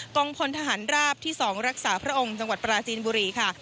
งพลทหารราบที่๒รักษาพระองค์จังหวัดปราจีนบุรีค่ะ